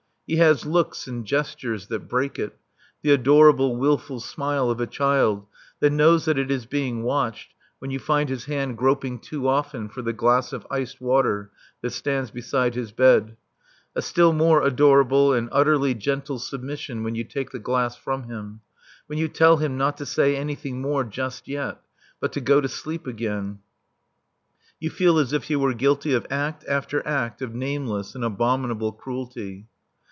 He has looks and gestures that break it the adorable, wilful smile of a child that knows that it is being watched when you find his hand groping too often for the glass of iced water that stands beside his bed; a still more adorable and utterly gentle submission when you take the glass from him; when you tell him not to say anything more just yet but to go to sleep again. You feel as if you were guilty of act after act of nameless and abominable cruelty.